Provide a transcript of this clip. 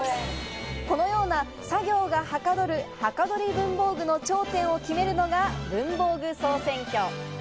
このような作業がはかどる、はかどり文房具の頂点を決めるのが文房具総選挙。